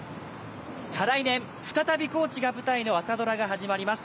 再来年、再び高知が舞台の朝ドラが始まります。